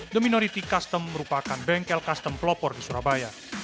the minority custom merupakan bengkel custom pelopor di surabaya